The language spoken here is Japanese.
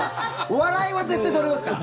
笑いは絶対取れますから。